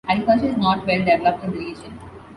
Agriculture is not well developed in the region.